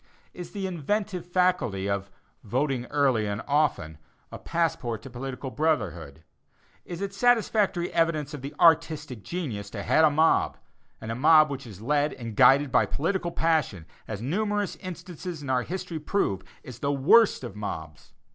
Is the "inventive faculty" of "voting early and often," a passport to political brotherhood? Is it satisfactory evidence of "artistic" genius, to head a mob? and a mob which is led and guided by political passion, as numerous instances in our history prove, is the worst of mobs.